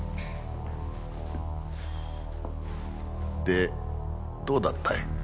でどうだったい？